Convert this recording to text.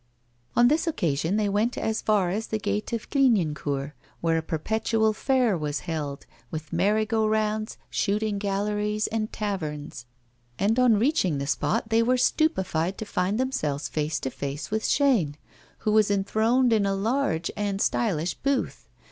On this occasion they went as far as the gate of Clignancourt, where a perpetual fair was held, with merry go rounds, shooting galleries, and taverns, and on reaching the spot they were stupefied to find themselves face to face with Chaîne, who was enthroned in a large and stylish booth.